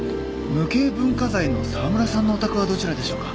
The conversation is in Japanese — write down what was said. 無形文化財の澤村さんのお宅はどちらでしょうか？